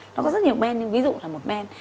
nó có rất nhiều men nhưng ví dụ là một men